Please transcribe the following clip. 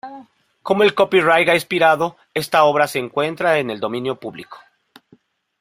Como el copyright ha expirado, esta obra se encuentra en el dominio público.